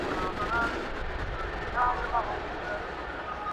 Worker کیا ہر کوئی اپنی اپنی حیثیت کے مطابق اچھا خاصا بدمعاش دکھائی دیتا تھا۔